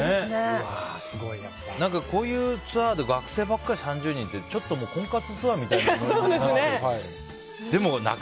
こういうツアーで学生ばっかり３０人ってちょっと婚活ツアーみたいな。